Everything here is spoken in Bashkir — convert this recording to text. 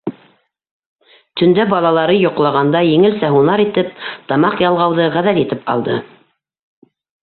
Төндә, балалары йоҡлағанда, еңелсә һунар итеп тамаҡ ялғауҙы ғәҙәт итеп алды.